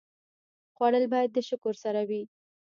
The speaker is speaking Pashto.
خوړل باید د شکر سره وي